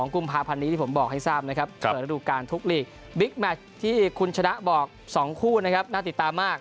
กุมภาพันธ์นี้ที่ผมบอกให้ทราบนะครับเปิดระดูการทุกลีกบิ๊กแมชที่คุณชนะบอก๒คู่นะครับน่าติดตามมาก